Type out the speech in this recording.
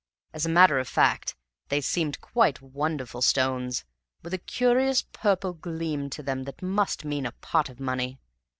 As a matter of fact, they seemed quite wonderful stones, with a curious purple gleam to them that must mean a pot of money.